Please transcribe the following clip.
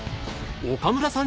岡村さん。